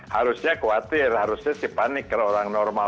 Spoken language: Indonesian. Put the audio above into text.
harusnya khawatir harusnya si panik kalau orang normal